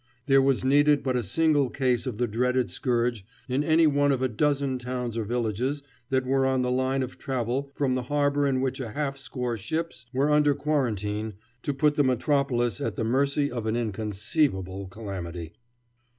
There was needed but a single case of the dreaded scourge in any one of a dozen towns or villages that were on the line of travel from the harbor in which a half score ships were under quarantine, to put the metropolis at the mercy of an inconceivable calamity.